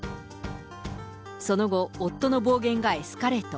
その後、夫の暴言がエスカレート。